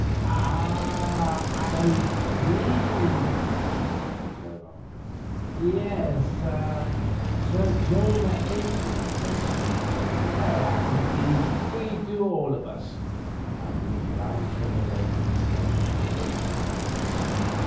"Ah, I see," said the Colonel. "Yes, Sir Jonah ages, doesn't he? as, indeed, we do all of us," and he glanced at the lady's spreading proportions.